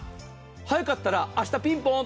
早かったら明日、ピンポーン。